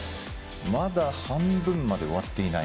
まだ半分まで終わっていない